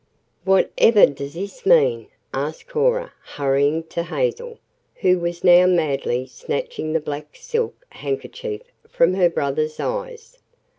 "Whatever does this means?" asked Cora, hurrying to Hazel, who was now madly snatching the black silk handkerchief from her brother's eyes.